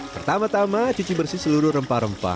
pertama tama cuci bersih seluruh rempah rempah